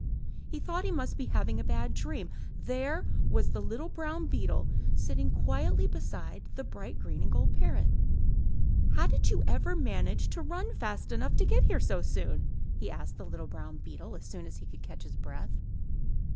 He thought he must be having a bad dream. There was the little brown beetle sitting quietly beside the bright green and gold parrot. The big grey rat had never been so surprised in all his life. "How did you ever manage to run fast enough to get here so soon?'' he asked the little brown beetle as soon as he could catch his breath.